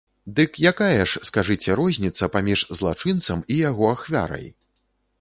Дык якая ж, скажыце, розніца паміж злачынцам і яго ахвярай?